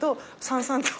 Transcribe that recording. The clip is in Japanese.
「さんさんと」